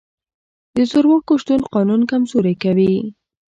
د زورواکو شتون قانون کمزوری کوي.